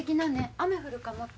雨降るかもって。